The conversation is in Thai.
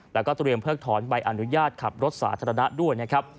แล้วก็เตรียมเพิกถอนใบอนุญาตขับรถสาธารณะด้วยนะครับ